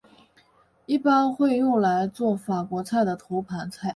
一般会用来作法国菜的头盘菜。